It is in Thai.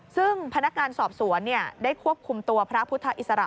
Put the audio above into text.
ซึ่งพนักงานสอบสวนได้ควบคุมตัวพระพุทธอิสระ